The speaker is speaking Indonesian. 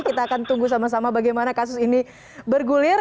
kita akan tunggu sama sama bagaimana kasus ini bergulir